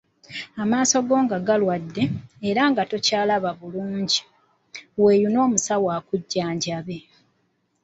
Amaaso go nga galwadde, era nga tokyalaba bulungi, weeyune omusawo akujjanjabe.